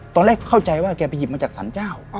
ตอนแรกเข้าใจว่าแกไปหยิบมาจากสรรเจ้า